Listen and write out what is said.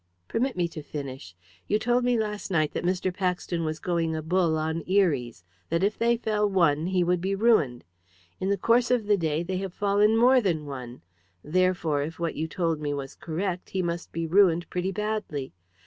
Permit me to finish. You told me last night that Mr. Paxton was going a bull on Eries; that if they fell one he would be ruined. In the course of the day they have fallen more than one; therefore, if what you told me was correct, he must be ruined pretty badly.